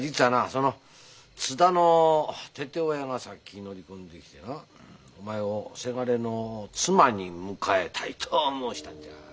その津田の父親がさっき乗り込んできてなお前を伜の妻に迎えたいと申したんじゃ。